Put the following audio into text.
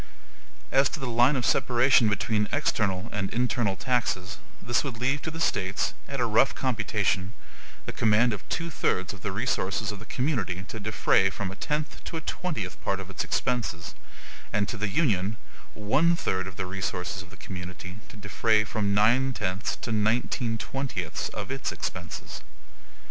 As to the line of separation between external and internal taxes, this would leave to the States, at a rough computation, the command of two thirds of the resources of the community to defray from a tenth to a twentieth part of its expenses; and to the Union, one third of the resources of the community, to defray from nine tenths to nineteen twentieths of its expenses.